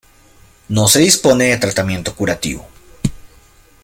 No se dispone de tratamiento curativo.